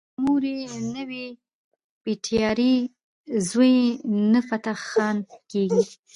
چې مور یې نه وي بټيارۍ زوی يې نه فتح خان کيږي